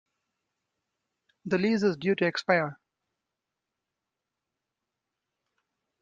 The lease is due to expire.